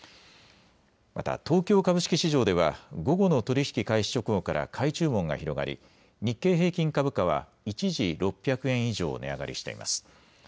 また東京株式市場では午後の取り引き開始直後から買い注文が広がり日経平均株価は一時６００円以上値上がりしています。